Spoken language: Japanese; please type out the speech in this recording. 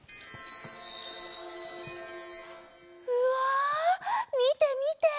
うわみてみて。